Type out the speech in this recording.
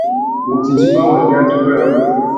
Ngu tà idjima wanda i atumbéwénamú.